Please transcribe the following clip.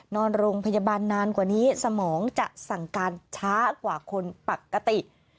นอนโรงพยาบาลนานกว่านี้สมองจะสั่งการช้ากว่าคนปกติ